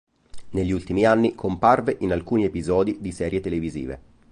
Negli ultimi anni, comparve in alcuni episodi di serie televisive.